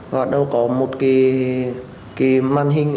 và đâu có một cái màn hình